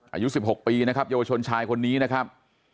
อายุ๑๖ปีนะครับเยาวชนชายคนนี้นะครับ